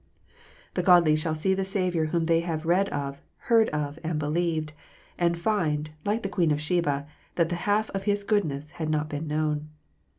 The godly shall see the Saviour whom they have read of, heard of, and believed, and find, like the Queen of Sheba, that the half of His goodness had not been known.